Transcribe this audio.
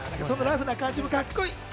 そんなラフな感じもカッコいい。